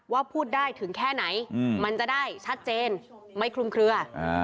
ว่าพูดได้ถึงแค่ไหนมันจะได้ชัดเจนไม่คลุมเคลือ